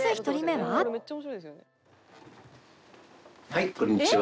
はいこんにちは。